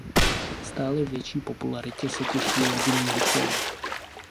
Stále větší popularitě se těší lední hokej.